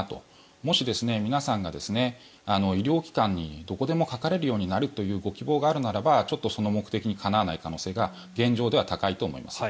もし、皆さんが医療機関にどこでもかかれるようになるというご希望があるならばその目的にかなわない状況が現状では高いと思います。